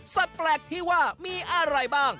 แปลกที่ว่ามีอะไรบ้าง